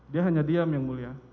dia hanya diam yang mulia